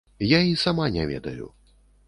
Я і сама не ведаю.